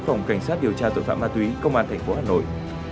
phòng cảnh sát điều tra tội phạm ma túy công an tp hà nội